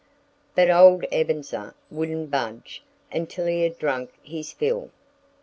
But old Ebenezer wouldn't budge until he had drunk his fill.